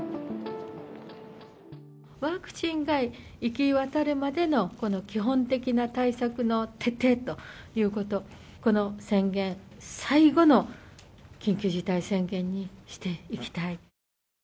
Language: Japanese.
ワクチンが行き渡るまでのこの基本的な対策の徹底ということ、この宣言、最後の緊急事態宣言にしていきたい。